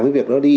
cái việc đó đi